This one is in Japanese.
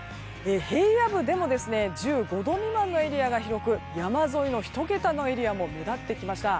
平野部でも１５度未満のエリアが広く山沿いの１桁のエリアも目立ってきました。